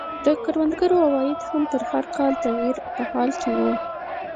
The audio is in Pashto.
د کروندګرو عواید هم هر کال د تغییر په حال کې وو.